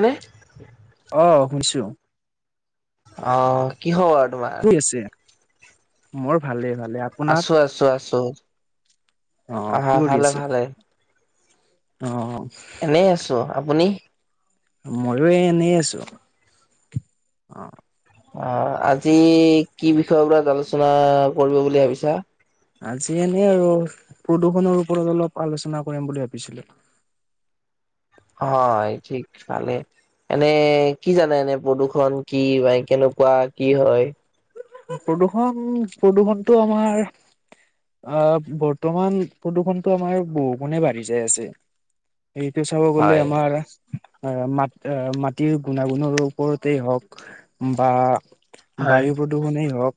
অ অ শুনিছো। অ কি খবৰ কি তোমাৰ। আছে মোৰ ভালেই ভালে আছো আপোনাৰ। আছো আছো অ আহা কি কৰি ভালে আছে ভালে অ। এনেই আছো ।আপুনি? ময়ো এ এনেই আছো অ অ আজি কি বিষয়ত বা আলোচনা কৰিব বুলি ভাবিছা! আজি এনেই আৰু প্ৰদূষণৰ ওপৰত অলপ আলোচনা কৰিম বুলি ভাবিছিলো। [inaudible] হয় ঠিক ভালে এনে কি জানে এনে প্ৰদূৰ্ষণ কি বা কেনেকুৱা । এনেকুৱা কি হয়? প্ৰদূৰ্ষণ প্ৰদূৰ্ষণটো আমাৰ আহ বৰ্তমান প্ৰদূৰ্ষণতটো আমাৰ বহুগুণে বাঢ়ি যায় আছে। সেইটো চাব গলে হয় আমাৰ আহ মাট মাটিৰ গুণাগুণৰ ওপৰতেই হওক বা হয়। নে হওক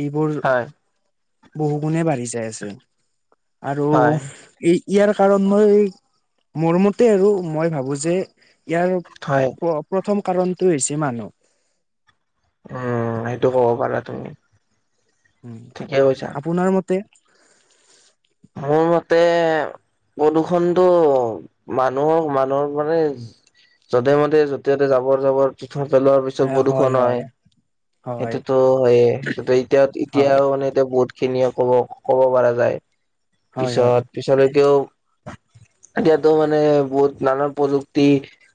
এইবোৰ হয় বহু গুণে বাঢ়ি যাই আছে আৰু হয় এই ইয়াৰ কাৰণ মই মোৰ মতে আৰু মই ভাবো যে হয় ইয়াৰ প্ৰথম কাৰণটো হৈছে মানুহ উম সেইটো কব পাৰা তুমি! উম ঠিকে কৈছা আপোনাৰ মতে মোৰ মতে প্ৰদূষণটো মানুহৰ মানুহৰ মানে যধে মধে য'তে ততে জাবৰ জাবৰ পিঠ পেলোৱাৰ পিছত প্ৰদূষণ হয় [unintelligible] হয়, সেইটোতো হয়য়ে সেইটো এতিয়া এতিয়াও মানে এতিয়া বহুত খিনিয়ে ক'ব কব পৰা যায় হয়, হয়, হয়, পিছত পিছলৈকেও এতিয়াতো মানে বহুত নানান প্ৰযুক্তি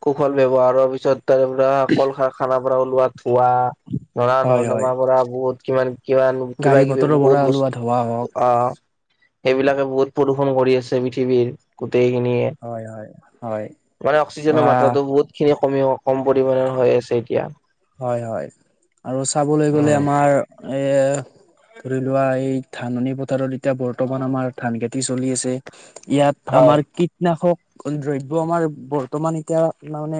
কৌশল ব্যৱহাৰ হোৱাৰ পিছত তাৰে পৰা অকল খানা খানাপাৰা ওলোৱাত । খোৱা নৰা ন হয়। নৰ্দমা পৰা বহুত কিমান কিমান কিবা গাড়ী কিবি মটৰৰ পৰা বহুত ওলোৱা ধোৱা হওক বস্তু অ সেইবিলাকে বহুত প্ৰদূষন কৰি আছে পৃথিৱীত। গোটেই খিনিয়ে হয়, হয়, হয় মানে বা অক্সিজেনৰ মাত্ৰাটো বহুত খিনি। কমি কম পৰিমাণৰ হৈ আছে এতিয়া হয় হয় আৰু চাবলৈ গ'লে উম। আমাৰ এ লোৱা এই ধাননি পথাৰত এতিয়া বৰ্তমান আমাৰ ধান খেতি চলি আছে । ইয়াত হয় আমাৰ কীটনাশক দ্ৰব্য আমাৰ বৰ্তমান এতিয়া মানে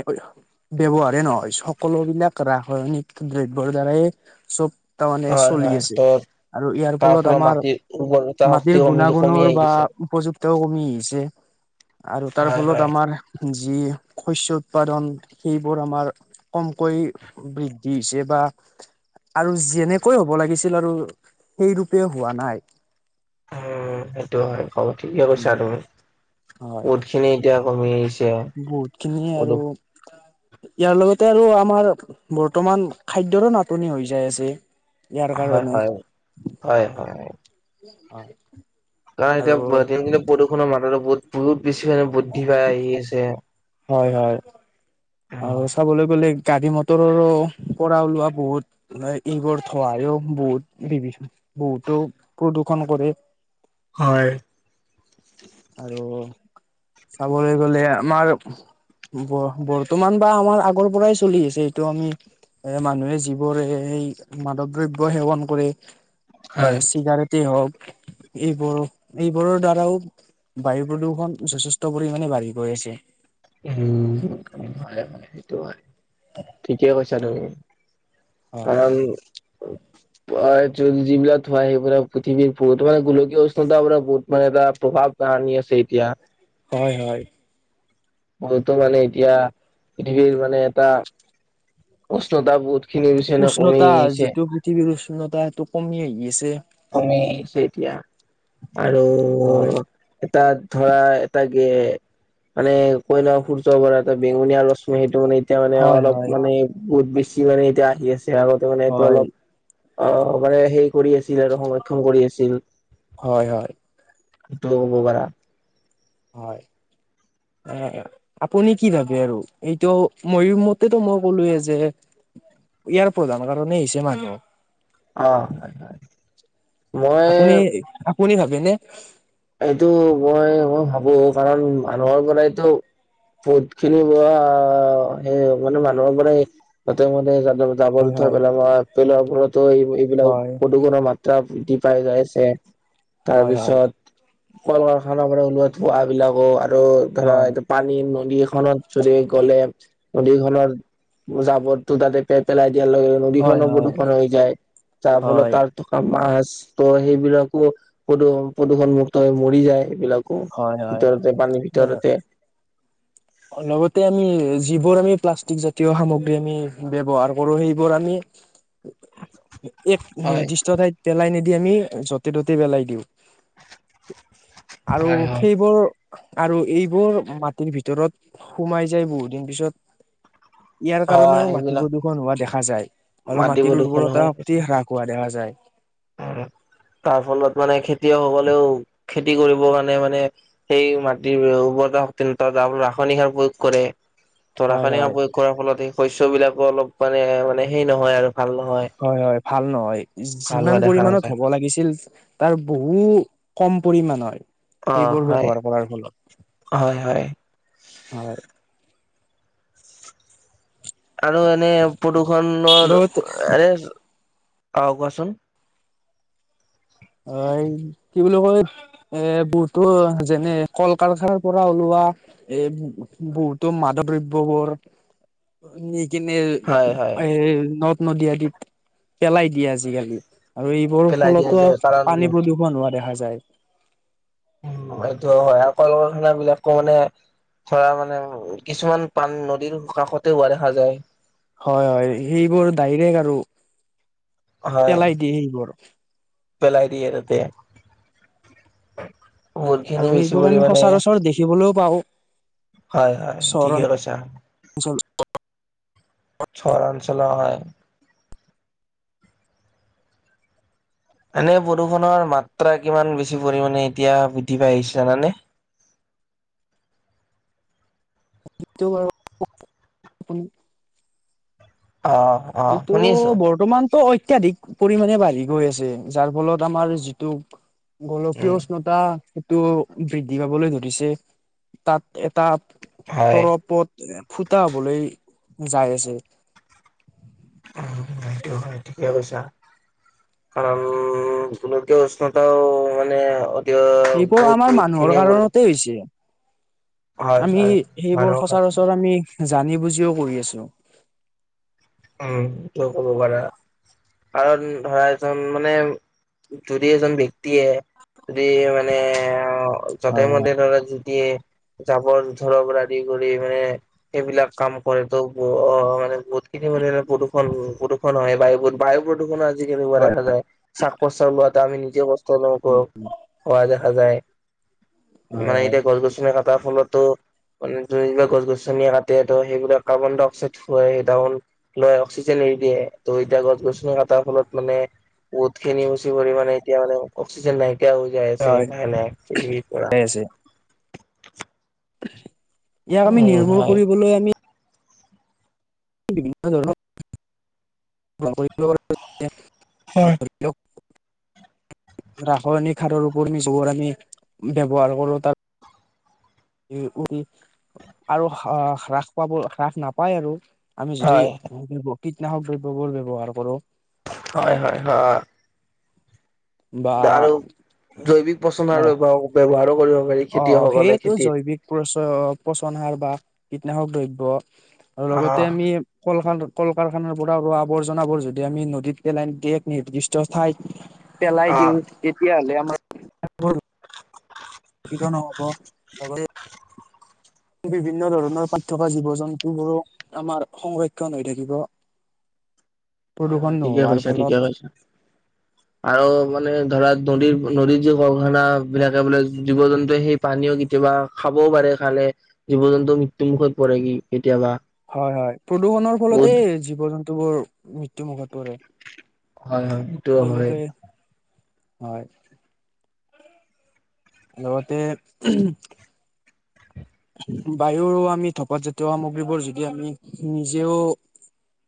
ব্যৱহাৰেই নহয় সকলো বিলাক ৰাসায়নিক দ্ৰব্যয়ৰ দ্বাৰাই চব তাৰ মানে হয় চলি হয় আছে। ত' আৰু ইয়াৰ তাৰ ফলত আমাৰ মাটিৰ উৰ্বৰতা শক্তি মাটিৰ কমি কমি গুণাগুণৰ বা আহিছে। উপযুক্তাও কমি আহিছে। আৰু তাৰ হয় ফলত হয় আমাৰ যি শস্য উৎপাদন সেইবোৰ আমাৰ কমকৈ বৃদ্ধি হৈছে বা আৰু যেনেকৈ হ'ব লাগিছিল আৰু সেই ৰূপে হোৱা নাই। উ সেইটো হয় কব ঠিকে কৈছা উম, তুমি হয় বহুত খিনি এতিয়া কমি আহিছে। বহুত খিনি আৰু প্ৰদূষ ইয়াৰ লগতে আৰু আমাৰ বৰ্তমান খাদ্যয়ৰো নাটনি হৈ যায় আছে। ইয়াৰ হয় কাৰণে হয় হয় হয়। কাৰণ আৰু এতিয়া দিনক দিনে প্ৰদূষণৰ মাত্ৰাটো বহুত বহুত বেছি মে বৃদ্ধি পাই আহি আছে। হয় হয় আৰু চাবলৈ গ'লে। গাড়ী মটৰৰো পৰা ওলোৱা বহুত ইগৰ থহায়ও বহুত দিবিছো। বহুতো প্ৰদূষণ কৰে। হয়। আৰু চাবলৈ গলে আমাৰ ব বৰ্তমান বা আমাৰ আগৰ পৰাই চলি আহিছে এইটো আমি এ মানুহে যিবোৰ মাদৱ দ্ৰব্য সেৱন কৰে। আহ হয় চিগাৰেটেই হওক এইবোৰো এইবোৰৰ দ্বাৰাও বায়ু প্ৰদূষণ যথেষ্ট পৰিমণে বাঢ়ি গৈ আছে। উ হয় হয় সেইটো হয় ঠিকেই কৈছা তুমি। অ হয় অ যদি যিবিলাক ধ হয় সেইব পৃথিৱীৰত মান গোলকীয় উষ্ণতা বোৰত মানে এটা প্ৰভাৱ তান আছে। এতিয়া হয় হয় বহুতো মানে এতিয়া পৃথিৱীৰ মানে এটা উষ্ণতাবোধ। উষ্ণতা যিটো পৃথিৱীৰ উষ্ণতা সেইটো কমি আহি আছে। কমি আহিছে এতিয়া আৰু হয় তাত ধৰা এটা গে মানে কয়লা, সূৰ্য ব বেঙুনীয়া, আৰু ৰশ্মি, সেইটো মানে এতিয়া মানে হয় অলপ হয় মানে বহুত বেছি মানে এতিয়া আহি আছে। আগতে মানে এইটো হয় অলপ অ মানে হেৰি কৰি আছিল আৰু সংৰক্ষণ কৰি আছিল। হয় হয়। ত ক'ব পাৰা। হয়। এ আপুনি কি ভাবে আৰু এইটো মই মতেতো মই কলো যে ইয়াৰ প্ৰধান কাৰণেই হৈছে মানুহ। অ মই আপুনি আপুনি ভাবেনে? এইটো মই মই ভাবো কাৰণ মানুহৰ পৰাইটো বহুত খিনি বোৱা সেই মানে মানুহৰ পৰাই গতে ম জাবৰ - হয় জোথৰ হয় পেলোৱা পেলোৱাবোৰত। ত এই এইবিলাক হয় প্ৰদূষণৰ মাত্ৰা বৃদ্ধি পাই যাইছে হয় তাৰপিছত কল কাৰখানাৰ পৰা ওলোৱা ধোঁৱা বিলাকো আৰু ধৰা হয় এইটো পানী নদীখনত যদি গ'লে নদী খনত জাবৰটো তাতে পে পেলাই । ইয়াৰ লগে হয় নদীখনো হয় প্ৰদূষণ, হৈ যায় যাৰ ফলত হয় তাত থকা মাছ। ত' সেইবিলাকো প্ৰদূ প্ৰদূষণমুক্ত হৈ মৰি যায় সেইবিলাক হয় হয় হয় ভিতৰতে পানীৰ ভিতৰতে। লগতে আমি যিবোৰ আমি প্লাষ্টিক, জাতীয় সামগ্ৰী আমি ব্যৱহাৰ কৰো সেইবোৰ আমি এক হয় নিৰ্দিষ্ট ঠাইত পেলাই নিদিয়। আমি য'তে ত'তে পেলাই দিওঁ আৰু হয়। হয়। সেইবোৰ আৰু এইবোৰ মাটিৰ ভিতৰত সোমাই যায় ।বহুত দিন পিছত। ইয়াৰ অ কাৰণেও মাটি এইবিলাক প্ৰদূষণ, হোৱা দেখা যায় আৰু মাটি মাটিৰ প্ৰদূষণ উৰ্বৰতা হয় শক্তি হ্ৰাস হোৱা দেখা যায়। যায়। তাৰ ফলত মানে খেতিয়ক সকলেও খেতি কৰিবৰ কাৰণে মানে সেই মাটিৰ উৰ্বৰতা শক্তি যাৰল ৰাসায়নিক সাৰ প্ৰয়োগ কৰে। ধৰা হয় খনে হয় প্ৰয়োগ কৰাৰ ফলত স শস্য বিলাকো অলপ মানে মানে সেই নহয় আৰু - হয় হয় ভাল নহয় ভাল যিমান হোৱা দেখা পৰিমানত নাযায় হ'ব লাগিছিল তাৰ বহু কম পৰিমাণৰ হয়। এই অ' বোৰ হয় বেবয্যহাৰ পৰা ফলত হয় হয় হয়। [unintelligible] আৰু এনে প্ৰদূষণৰ লগত এনে আহ কোৱাচোন। অ এই কি বুলি কয় এ বহুতো যেনে কল কাৰখাৰ পৰা ওলোৱা এ বহুতো মাধ দ্ৰব্যবোৰ কিনে হয় হয় এ নদ নদী আদিত পেলাই দিয়ে আজিকালি- আৰু এইবোৰৰ পেলাই দিয়া ফলতো- যায় কাৰণ পানী প্ৰদূষণ হোৱা দেখা যায়। এইটো হয় আৰু কলকাৰখানা, বিলাকো মানে - ধৰা মানে কিছুমান পানী নদীৰ কাষতে হোৱা দেখা যায় হয় হয় সেইবোৰ ডাইৰেক আৰু হয় পেলাই দিয়ে সেইবোৰ পেলাই দিয়ে তাতে বহুত খিনি আৰু বেছি সেইবোৰ আমি পৰিমাণে সচৰাচৰ দেখিবলৈও পাও হয় হয় ঠিকে কৈছা [inaudible] ওচৰ অঞ্চলৰ হয় এনে প্ৰদূষণৰ মাত্ৰা কিমান বেছি পৰিমানে এতিয়া বৃদ্ধি পাই আহিছে জানানে [inaudible] সেটো বাৰু আপুনি অ', অ', এইটো শুনি আছো বৰ্তমানতো হৈ অত্যাধিক পৰিমাণে বাঢ়ি গৈ আছে যাৰ ফলত আমাৰ যিটো গোলকীয় উম, উষ্ণতা সেইটো বৃদ্ধি পাবলৈ ধৰিছে তাত এটা হয়। তাৰ ওপত ফুটা হবলৈ যাই আছে উ সেইটো হয় ঠিকে কৈছা কাৰণ উ গোলকীয় উষ্ণতাও মানে দ সেইবোৰ বহুত আমাৰ বহুত মানুহৰ খিনিয়ে পৰে কাৰণতে হৈছে আমি সেইবোৰ মানুহৰ সচৰাচৰ আমি জানি বুজিও কৰি আছো উম স কব পাৰা কাৰণ ধৰা এজন মানে যদি এজন ব্যক্তিয়ে যদি মানে যতে হয় ততে ধৰা যি দিয়ে জাবৰ -জোথৰ পৰা আদি কৰি মানে এইবিলাক কাম কৰে ত মানে বহুত কিতি মান প্ৰদূষণ প্ৰদূষণ হয় বায়ু বায়ু প্ৰদূষণৰ তেতিয়া কেনেকোৱা হয় দেখা যায় শ্বাস প্ৰচাস লওতে আমি নিজে কষ্ট অনুভৱ হোৱা দেখা যায় হয় হয় মানে এতিয়া গছ গছনি কটাৰ ফলত ত মানে যোন বিলাক গছ গছনিয়ে কাটে ত সেইবিলাক কাৰ্বন ডাই অক্সাইড খুৱাই সেই তন লৈ অক্সিজেন এৰি দিয়ে ত' এতিয়া গছ গছনি কটাৰ ফলত মানে বহুত খিনি মুচি পৰি মানে এতিয়া মান অক্সিজেন নাই কিয়া হৈ যায় হয় আছে হয় নাই নাই পৃথিৱীৰ পৰা হয় আছে ইয়াক আমি উম নিৰ্মূল হয়। কৰিবলৈ আমি বিভিন্ন ধৰণৰ হয় [unintelligible] [inaudible] ৰাসায়নিক সাৰৰ ওপৰত যিবোৰ আমি ব্যৱহাৰ কৰো তাৰ উ আৰু হ্ৰাস পাব হ্ৰাস নাপায় আৰু আমি যদি হয় কীটনাশক দ্ৰব্যবোৰ ব্যৱহাৰ কৰো হয় হয় হয় বা আৰু জৈৱিক পচন্দৰ ব্যৱহাৰো কৰিব পাৰি অ খেতিয়কসকলে সেইয়েতো খেতিত জৈৱিক পচ পচন সাৰ বা কীটনাশক দ্ৰব্য আৰু অ লগতে আমি কলকাৰখানা কল কাৰখানাৰ পৰা হোৱা আৱৰ্জনাবোৰ যদি আমি নদীত পেলাই দিয়ে এক নিৰ্দিষ্ট ঠাইত পেলাই অ। দিওঁ তেতিয়াহ'লে আমাৰ দুঃখিত নহ'ব লগতে বিভিন্ন ধৰণৰ তাত থকা জীৱ জন্তু বোৰো আমাৰ সংৰক্ষণ হৈ থাকিব। [inaudible] হয় প্ৰদূষণ হয় ঠিকে নোহোৱাৰ কৈছা ফলত ঠিকে কৈছা। আৰু মানে ধৰা নদীৰ নদীৰ য আও সেনা বিলাকে বোলে জীৱ জন্তুৱে সেই পানীও কেতিয়াবা খাবও পাৰে খালে জীৱ জন্তু মৃত্যু মুুখত পৰে কি কেতিয়াবা হয় হয় প্ৰদূষণৰ ফলতে বহুত জীৱ জন্তু বোৰ মৃত্যু মুুখত পৰে হয় হয় এইটোও হয়। তেওঁলোকে হয়। লগতে উম বায়ু আমি থকা জাতীয় সামগ্ৰীবোৰ যদি আমি নিজেও!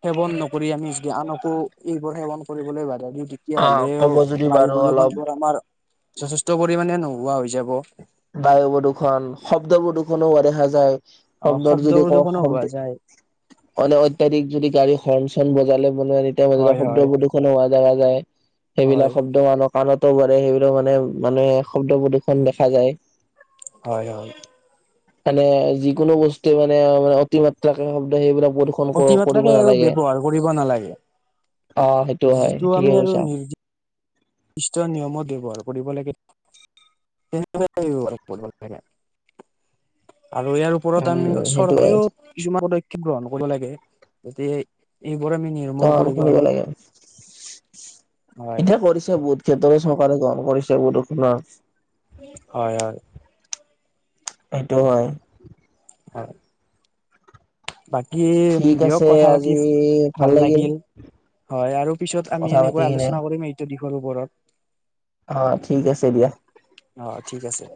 সেৱন নকৰি আমি আনকো এইবোৰ সেৱন কৰিবলৈ বা। যদি অ তেতিয়াহ'লেও ক'ব যদি বায়ু বাৰু প্ৰদূষণ অলপ বোৰ আমাৰ যথেষ্ট পৰিমাণে নোহোৱা হৈ যাব। বায়ু প্ৰদূৰ্ষন শব্দ প্ৰদূৰ্ষণো হোৱা দেখা যায়। আহ শব্দত শব্দ যদি কওঁ প্ৰদূষণো হোৱা শব্দ, যায় অনে অত্যাধিক যদি গাড়ী হৰ্ণ চণ বজালে। মানে এ হয় শব্দ হয় প্ৰদূষণো হোৱা দেখা যায় হয় সেইবিলাক শব্দ আমাৰ কাণত কব পাৰে সেইবিলাক মানে মানে শব্দ প্ৰদূষণ দেখা যায়। হয় হয়। মানে যিকোনো বস্তুৱে মানে অতিমাত্ৰাকে শব্দ সেইবিলাক প্ৰদূষন অতি কৰিব মাত্ৰাকে আৰু নালাগে। ব্যৱহাৰ কৰিব নালাগে অ সেইটো হয় ঠিকে কৈছা। নিষ্ট নিয়মত ব্যৱহাৰ কৰিব লাগে। [unintelligible] আৰু ইয়াৰ ওপৰত আমি উম সেইটো হয় চৰকাৰেও কিছুমান পদক্ষেপ গ্ৰহণ কৰিব লাগে যে এই। অহ কৰিব লাগে, হয় এতিয়া কৰিছে বহুত ক্ষেত্ৰত চৰকাৰে গ্ৰহণ কৰিছে প্ৰদূষক অহ হয় হয়। এইটো হয়। হয়। বাকী ঠিক দিয়ক আছে কথা পাতি আজি ভাল লাগিল। হয় আৰু পিছত আমি কথা এনেকুৱা পাতি কিনে আলোচনা কৰিম এইটো দিশৰ ওপৰত। অৱ ঠিক আছে দিয়া। অ ঠিক আছে